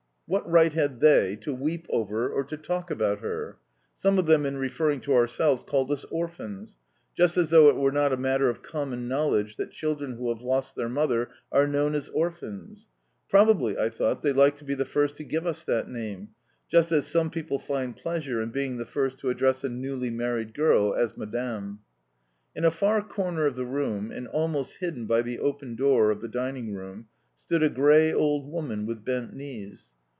What right had they to weep over or to talk about her? Some of them, in referring to ourselves, called us "orphans" just as though it were not a matter of common knowledge that children who have lost their mother are known as orphans! Probably (I thought) they liked to be the first to give us that name, just as some people find pleasure in being the first to address a newly married girl as "Madame." In a far corner of the room, and almost hidden by the open door, of the dining room, stood a grey old woman with bent knees.